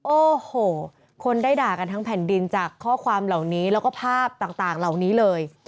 โอ้โหคนได้ด่ากันทั้งแผ่นดินจากข้อความเหล่านี้แล้วก็ภาพต่างเหล่านี้เลย